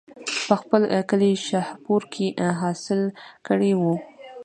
پۀ خپل کلي شاهپور کښې حاصل کړے وو